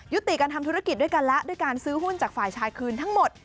ติการทำธุรกิจด้วยกันแล้วด้วยการซื้อหุ้นจากฝ่ายชายคืนทั้งหมด